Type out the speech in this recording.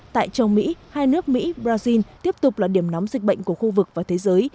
tại châu mỹ hai nước mỹ brazil tiếp tục là điểm nóng dịch bệnh của khu vực và thế giới